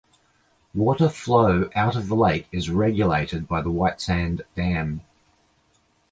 Water flow out of the lake is regulated by the Whitesand Dam.